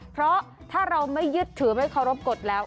เพราะถ้าเราไม่ยึดถือไม่เคารพกฎแล้ว